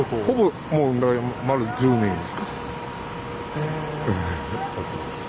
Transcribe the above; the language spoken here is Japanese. へえ。